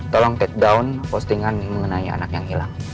tolong take down postingan mengenai anak yang hilang